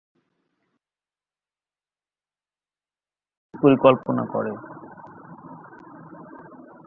অন্যদিকে শেখর একটি পরিকল্পনা করে।